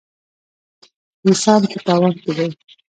انسان په تاوان کې دی.